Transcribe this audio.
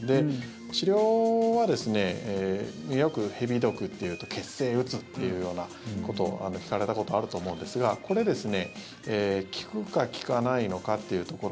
治療は、よく蛇毒というと血清を打つというようなことを聞かれたことがあると思うんですがこれ、効くか、効かないのかというところ。